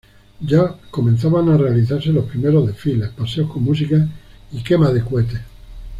Ya comenzaban a realizarse los primeros desfiles, paseos con música y quema de cohetes.